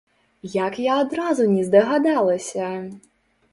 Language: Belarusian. Як я адразу не здагадалася!?